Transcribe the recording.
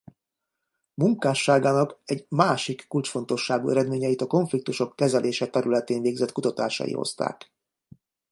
Munkásságának egy másik kulcsfontosságú eredményeit a konfliktusok kezelése területén végzett kutatásai hozták.